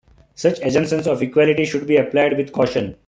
Such assumptions of equality should be applied with caution.